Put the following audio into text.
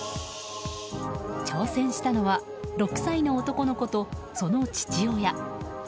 挑戦したのは６歳の男の子とその父親。